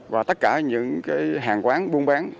và tất cả những hàng quán buôn bán